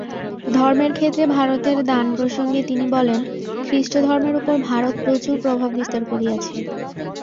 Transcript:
ধর্মের ক্ষেত্রে ভারতের দানপ্রসঙ্গে তিনি বলেন, খ্রীষ্টধর্মের উপর ভারত প্রচুর প্রভাব বিস্তার করিয়াছে।